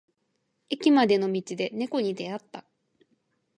駅までの道で猫に出会った。